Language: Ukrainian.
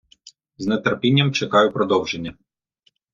З нетерпінням чекаю продовження